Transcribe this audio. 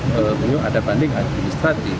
memang ada banding administratif